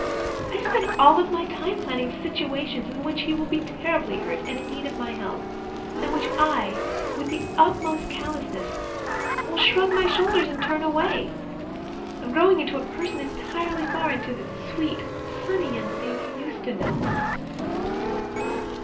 I spend all my spare time planning situations in which he will be terribly hurt and in need of my help, and in which 1, with the utmost callousness, will shrug my shoulders and turn away. I am growing into a person entirely foreign to the sweet, sunny young thing you used to know.